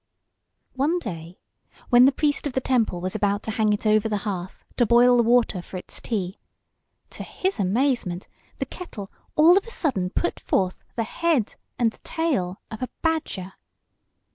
One day, when the priest of the temple was about to hang it over the hearth to boil the water for his tea, to his amazement the kettle all of a sudden put forth the head and tail of a badger.